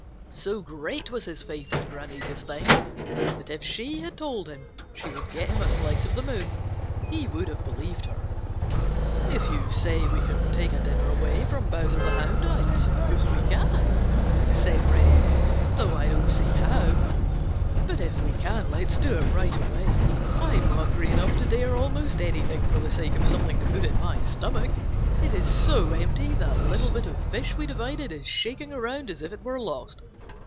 So great was his faith in Granny just then that if she had told him she would get him a slice of the moon he would have believed her. "If you say we can take a dinner away from Bowser the Hound, I suppose we can," said Reddy, "though I don't see how. But if we can, let's do it right away. I'm hungry enough to dare almost anything for the sake of something to put in my stomach. It is so empty that little bit of fish we divided is shaking around as if it were lost.